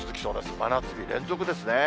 真夏日、連続ですね。